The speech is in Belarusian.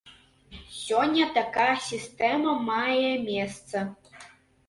Сёння такая сістэма мае месца.